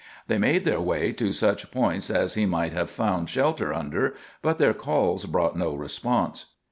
They made their way to such points as he might have found shelter under, but their calls brought no response.